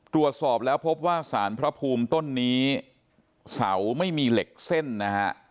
ตรวจสอบแล้วพบว่าสารพระภูมิต้นนี้เสาไม่มีเหล็กเส้นนะฮะ